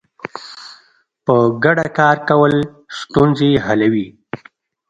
په ګډه کار کول ستونزې حلوي.